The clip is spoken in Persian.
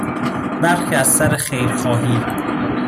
برخی از سر خیر خواهی،